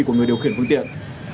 của người điều khiển phương tiện